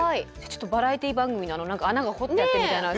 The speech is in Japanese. ちょっとバラエティー番組の穴が掘ってあったみたいな。